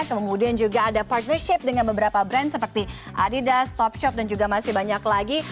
kemudian juga ada partnership dengan beberapa brand seperti adidas talk shop dan juga masih banyak lagi